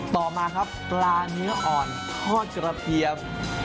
ต่อมาครับปลาเนื้ออ่อนทอดกระเทียม